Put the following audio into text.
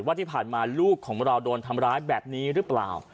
ว่าที่ผ่านมาลูกของเราโดนทำร้ายแบบนี้หรือเปล่า